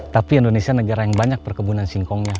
tapi indonesia negara yang banyak perkebunan singkongnya